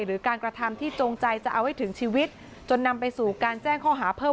หรือการกระทำที่จงใจจะเอาให้ถึงชีวิตจนนำไปสู่การแจ้งข้อหาเพิ่ม